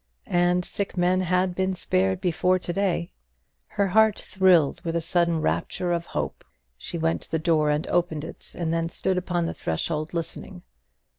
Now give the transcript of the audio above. And sick men had been spared before to day. Her heart thrilled with a sudden rapture of hope. She went to the door and opened it, and then stood upon the threshold listening.